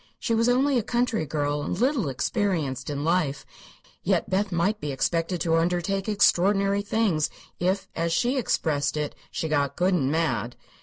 She was only a country girl, and little experienced in life, yet Beth might be expected to undertake extraordinary things if, as she expressed it, if she "got good and mad!"